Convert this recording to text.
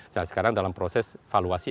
sekarang dalam proses valuasi